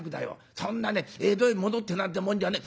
そんなね江戸へ戻ってなんてもんじゃねえ。